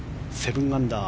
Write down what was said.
７アンダー。